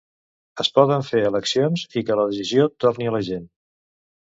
Es poden fer eleccions i que la decisió torni a la gent.